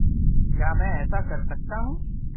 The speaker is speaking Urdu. کیا میں ایسا کر سکتا ہوں؟